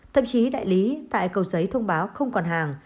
thậm chí đại lý tại cầu giấy thông báo không còn hàng